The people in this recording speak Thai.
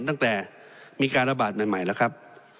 ตั้งแต่มีการระบาดใหม่แล้วครับ